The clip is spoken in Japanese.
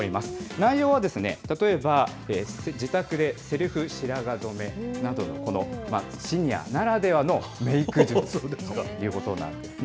内容は例えば、自宅でセルフ白髪染めなどの、シニアならではのメーク術ということなんですね。